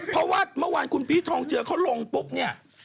เพราะว่าเมื่อวานคุณพีชทองเจือเขาลงปุ๊บเนี่ย